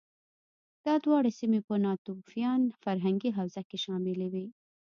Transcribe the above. دا دواړه سیمې په ناتوفیان فرهنګي حوزه کې شاملې وې